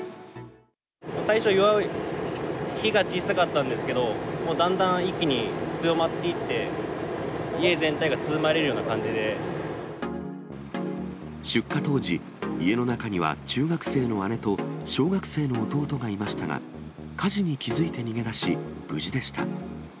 最初、火が小さかったんですけど、だんだん一気に強まっていって、出火当時、家の中には中学生の姉と小学生の弟がいましたが、火事に気付いて逃げ出し無事でした。